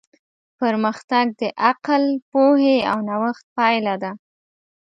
پرمختګ د عقل، پوهې او نوښت پایله ده.